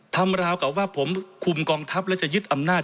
ราวกับว่าผมคุมกองทัพแล้วจะยึดอำนาจ